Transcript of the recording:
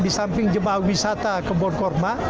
di samping jum'ah wisata kebun kurma